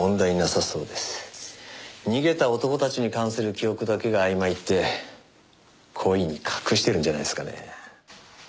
逃げた男たちに関する記憶だけがあいまいって故意に隠してるんじゃないですかね。